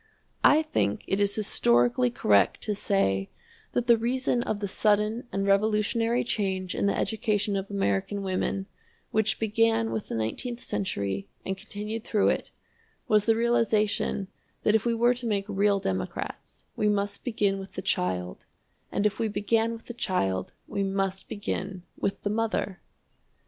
I think it is historically correct to say that the reason of the sudden and revolutionary change in the education of American women, which began with the nineteenth century and continued through it, was the realization that if we were to make real democrats, we must begin with the child, and if we began with the child, we must begin with the mother!